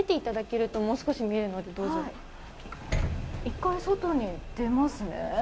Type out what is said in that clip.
１回外に出ますね。